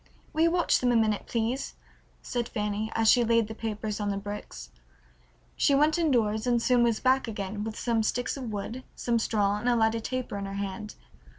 "Will you watch them a minute, please?" said Fanny, as she laid the papers on the bricks. She went indoors and soon was back again, with some sticks of wood, some straw, and a lighted taper in her hand.